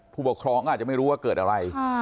ผู้ปกครองก็อาจจะไม่รู้ว่าเกิดอะไร